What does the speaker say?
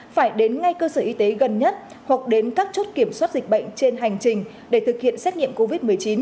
phải đến ngay cơ sở y tế gần nhất hoặc đến các chốt kiểm soát dịch bệnh trên hành trình để thực hiện xét nghiệm covid một mươi chín